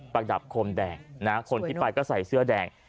ประดับโคมแดงนะคนที่ไปก็ใส่เสื้อแดง